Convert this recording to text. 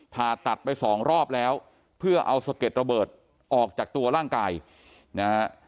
ผ่าตัดไปสองรอบแล้วเพื่อเอาสะเก็ดระเบิดออกจากตัวร่างกายนะฮะ